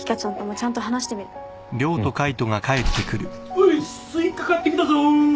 おいスイカ買ってきたぞ！